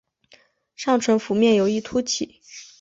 上唇腹面有一突起。